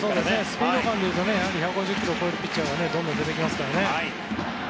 スピード感でいうと１５０キロを超えるピッチャーがどんどん出てきますからね。